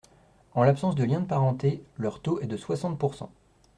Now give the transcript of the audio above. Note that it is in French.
En l’absence de lien de parenté, leur taux est de soixante pourcent.